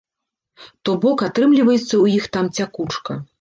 То бок атрымліваецца ў іх там цякучка.